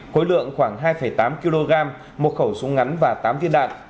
khối lượng khoảng hai tám kg một khẩu súng ngắn và tám viên đạn